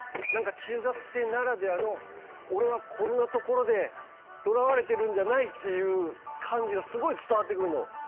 なんか中学生ならではの「俺はこんなところでとらわれてるんじゃない！」っていう感じがすごい伝わってくるの。